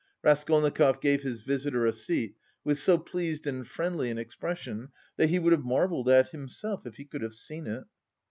Raskolnikov gave his visitor a seat with so pleased and friendly an expression that he would have marvelled at himself, if he could have seen it.